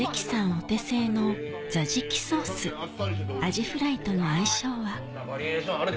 お手製のザジキソースアジフライとの相性は？